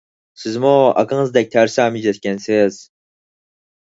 سىزمۇ ئاكىڭىزدەك تەرسا مىجەزكەنسىز!